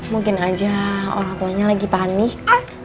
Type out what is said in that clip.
mungkin aja orang tuanya lagi panik